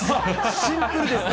シンプルですね。